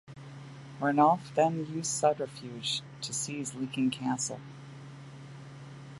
Ranulf then used subterfuge to seize Lincoln Castle.